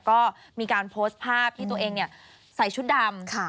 ก็มีการโพสต์ภาพที่ตัวเองใส่ชุดดำ